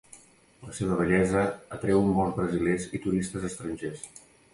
La seva bellesa atreu molts brasilers i turistes estrangers.